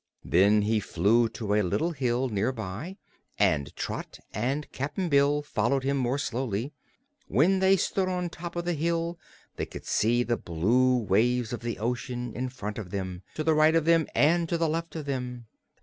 Then he flew to a little hill, near by, and Trot and Cap'n Bill followed him more slowly. When they stood on the top of the hill they could see the blue waves of the ocean in front of them, to the right of them, and at the left of them.